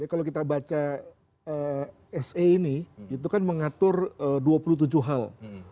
kalau kita baca se ini itu kan mengatur dua puluh tujuh hal